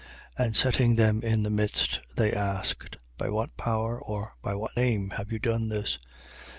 4:7. And setting them in the midst, they asked: By what power or by what name, have you done this?